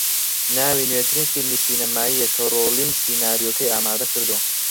ناوی نوێترین فیلمی سینەماییە کە رۆلینگ سیناریۆکەی ئامادەکردووە